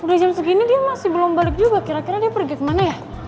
udah jam segini dia masih belum balik juga kira kira dia pergi kemana ya